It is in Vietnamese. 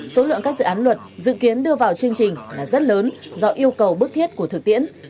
số lượng các dự án luật dự kiến đưa vào chương trình là rất lớn do yêu cầu bức thiết của thực tiễn